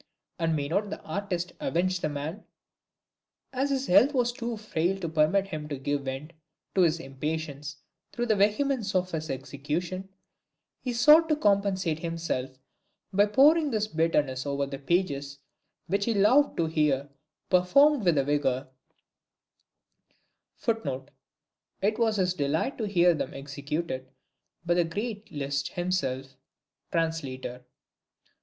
And may not the artist revenge the man? As his health was too frail to permit him to give vent to his impatience through the vehemence of his execution, he sought to compensate himself by pouring this bitterness over those pages which he loved to hear performed with a vigor [Footnote: It was his delight to hear them executed by the great Liszt himself. Translator.